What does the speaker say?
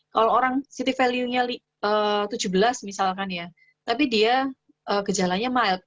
kalau orang city value nya tujuh belas misalkan ya tapi dia gejalanya mild